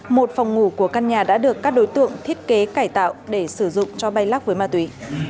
một phòng ngủ của căn nhà đã được các đối tượng thiết kế cải tạo để sử dụng cho bay lắc với ma túy